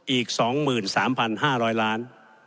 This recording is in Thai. อีก๒๓๕๐๐ล้าน